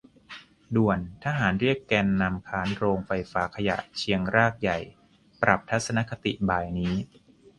ด่วน ! ทหารเรียกแกนนำค้านโรงไฟฟ้าขยะเชียงรากใหญ่ปรับทัศนคติบ่ายนี้